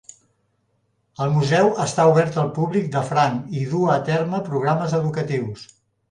El museu està obert al públic de franc i duu a terme programes educatius.